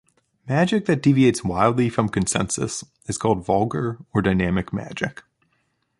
Magic that deviates wildly from consensus is called vulgar or dynamic magic.